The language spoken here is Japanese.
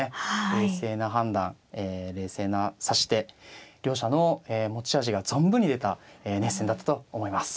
冷静な判断冷静な指し手両者の持ち味が存分に出た熱戦だったと思います。